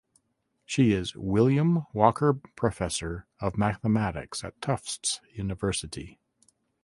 She is William Walker Professor of Mathematics at Tufts University.